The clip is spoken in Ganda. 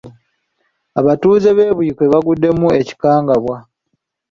Abatuuze b'e Buikwe baguddemu ekikangabwa.